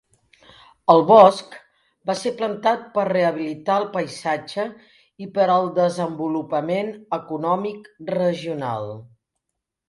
El bosc va ser plantat per rehabilitar el paisatge i per al desenvolupament econòmic regional.